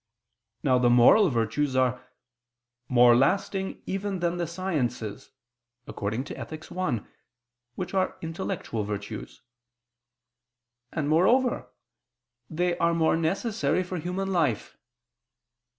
Now the moral virtues are "more lasting even than the sciences" (Ethic. i) which are intellectual virtues: and, moreover, they are more necessary for human life.